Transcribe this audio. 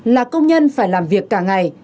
là công nhân phải làm việc cả ngày